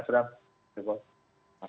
terima kasih mas revo